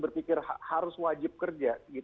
berpikir harus wajib kerja